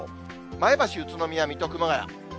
前橋、宇都宮、水戸、熊谷。